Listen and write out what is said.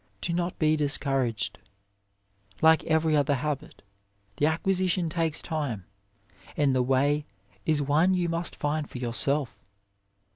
Do not be dis couraged, like every other habit, the acquisition takes time, and the way is one you must find for yourselves.